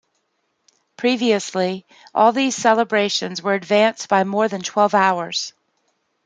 Previously, all these celebrations were advanced by more than twelve hours.